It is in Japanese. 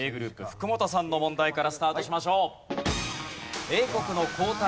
ｇｒｏｕｐ福本さんの問題からスタートしましょう。